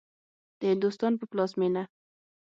د هندوستان په پلازمېنه